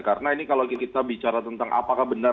karena ini kalau kita bicara tentang apakah benar